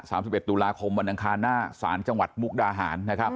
สิบเอ็ดตุลาคมวันอังคารหน้าศาลจังหวัดมุกดาหารนะครับ